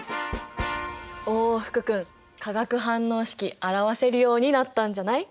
お福君化学反応式表せるようになったんじゃない？